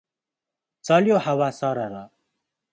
चल्यो हावा सरर ।